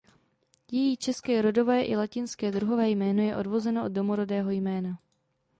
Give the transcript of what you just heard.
Její české rodové i latinské druhové jméno je odvozeno od domorodého jména.